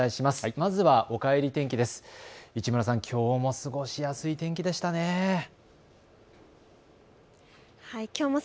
まずはおかえり天気です。